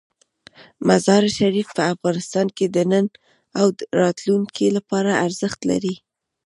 مزارشریف په افغانستان کې د نن او راتلونکي لپاره ارزښت لري.